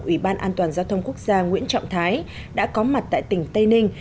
ủy ban an toàn giao thông quốc gia nguyễn trọng thái đã có mặt tại tỉnh tây ninh